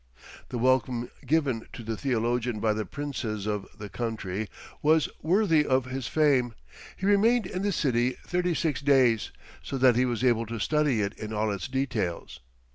The welcome given to the theologian by the princes of the country was worthy of his fame; he remained in the city thirty six days, so that he was able to study it in all its details.